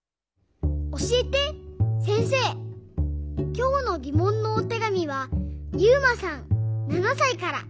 きょうのぎもんのおてがみはゆうまさん７さいから。